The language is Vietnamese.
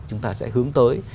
chúng ta sẽ hướng tới